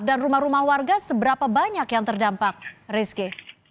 dan rumah rumah warga seberapa banyak yang terdampak rizky